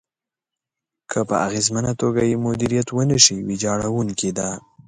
که په اغېزمنه توګه يې مديريت ونشي، ويجاړونکې ده.